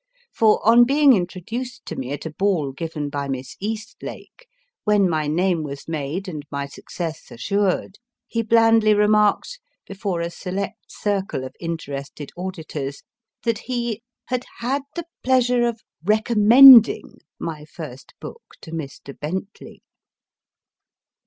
For, on being intro duced to me at a ball given by Miss Eastlake, when my name was made and my success assured, he blandly remarked, before a select circle of interested auditors, that he * had had the pleasure of recommending my first book to Mr. Bentley!